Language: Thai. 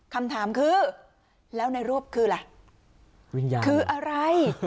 คำถามคือแล้วในรูปคืออะไรวิญญาณคืออะไร